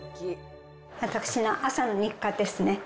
私の朝の日課ですね。